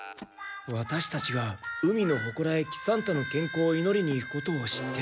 ワタシたちが海のほこらへ喜三太の健康を祈りに行くことを知って？